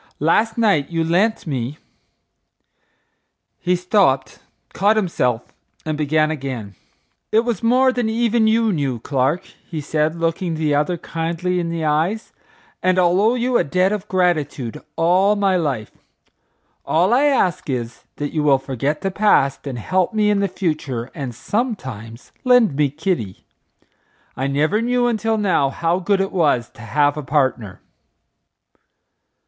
Last night you lent me—" He stopped, caught himself, and began again. "It was more than even you knew, Clark," he said, looking the other kindly in the eyes, "and I'll owe you a debt of gratitude all my life. All I ask is, that you will forget the past and help me in the future and sometimes lend me Kitty. I never knew until now how good it was to have a partner."